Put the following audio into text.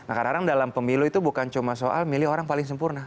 nah kadang kadang dalam pemilu itu bukan cuma soal milih orang paling sempurna